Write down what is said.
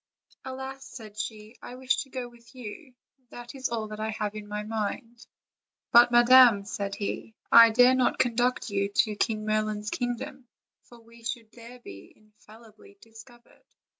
"Alas!" said she, "I wish to go with you; that is all that I have in my mind." "But, madam," said he, "I dare not conduct you to King Merlin's kingdom, for we should there be infallibly discovered."